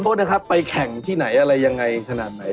โทษนะครับไปแข่งที่ไหนอะไรยังไงขนาดไหน